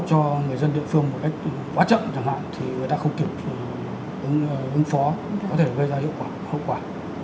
cho người dân địa phương một cách quá chậm chẳng hạn thì người ta không kịp ứng phó có thể gây ra hiệu quả hậu quả